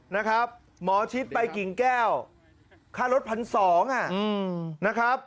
นะครับหมอชิดไปกิ่งแก้วค่ารถพันสองนะครับ